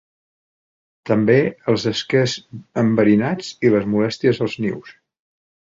També els esquers enverinats i les molèsties als nius.